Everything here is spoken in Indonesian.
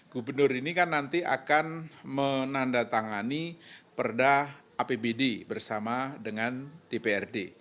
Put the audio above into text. gubernur ini kan nanti akan menandatangani perda apbd bersama dengan dprd